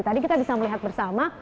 tadi kita bisa melihat bersama